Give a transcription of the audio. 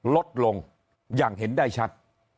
ลดลงอย่างเห็นได้ชัด